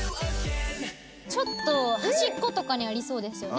ちょっと端っことかにありそうですよね